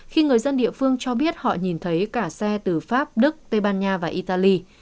khi người dân địa phương cho biết họ nhìn thấy cả xe từ pháp đức tây ban nha và italy